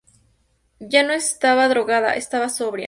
Yo no estaba drogada, estaba sobria.